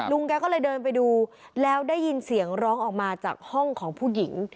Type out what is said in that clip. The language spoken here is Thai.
แกก็เลยเดินไปดูแล้วได้ยินเสียงร้องออกมาจากห้องของผู้หญิง